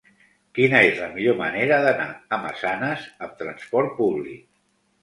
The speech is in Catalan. Quina és la millor manera d'anar a Massanes amb trasport públic?